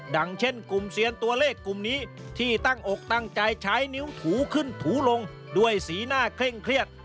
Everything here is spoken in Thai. เช่นกลุ่มเซียนตัวเลขกลุ่มนี้ที่ตั้งอกตั้งใจใช้นิ้วถูขึ้นถูลงด้วยสีหน้าเคร่งเครียด